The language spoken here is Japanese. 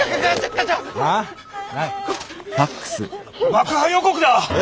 爆破予告だ！え！？